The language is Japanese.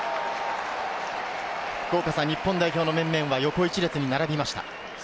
日本代表のメンバーは横１列に並びました。